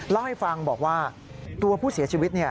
เล่าให้ฟังบอกว่าตัวผู้เสียชีวิต